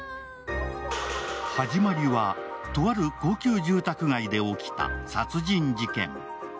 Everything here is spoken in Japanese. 始まりは、とある高級住宅街で起きた殺人事件。